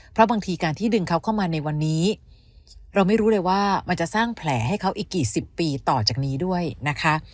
เพราะบางทีการที่ดึงเขาเข้ามาในวันนี้เราไม่รู้เลยว่ามันจะสร้างแผลให้เขาอีกกี่สิบปีต่อจากนี้ด้วยนะคะ